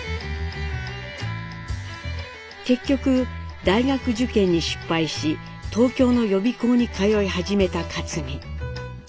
結局大学受験に失敗し東京の予備校に通い始めた克実。